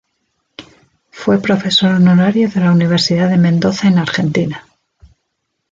Fue profesor honorario de la Universidad de Mendoza en Argentina.